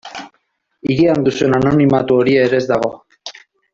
Hirian duzun anonimatu hori ere ez dago.